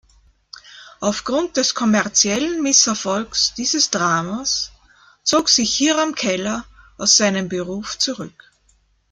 Aufgrund des kommerziellen Misserfolgs dieses Dramas zog sich Hiram Keller aus seinem Beruf zurück.